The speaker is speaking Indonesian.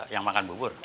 yang makan bubur